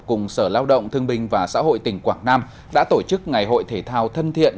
cùng sở lao động thương binh và xã hội tỉnh quảng nam đã tổ chức ngày hội thể thao thân thiện